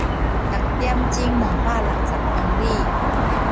逐點鐘兩百六十公里